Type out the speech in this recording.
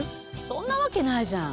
そんなわけないじゃん。